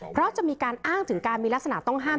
เพราะจะมีการอ้างถึงการมีลักษณะต้องห้าม